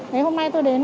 thế hôm nay tôi đến